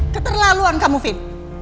keterlaluan kamu vin